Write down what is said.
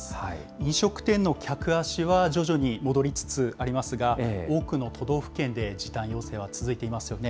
飲食店の客足は徐々に戻りつつありますが、多くの都道府県で時短要請は続いていますよね。